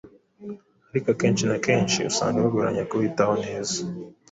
ariko kenshi na kenshi usaga bigoranye kuwitaho neza